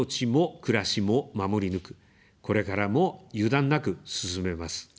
守り抜く、これからも油断なく進めます。